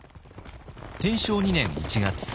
天正２年１月。